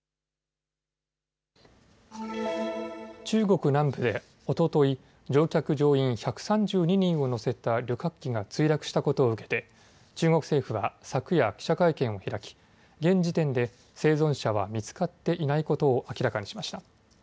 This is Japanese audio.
中国南部でおととい、乗客乗員１３２人を乗せた旅客機が墜落したことを受けて中国政府は昨夜、記者会見を開き現時点で生存者は見つかっていないことを明らかにしました。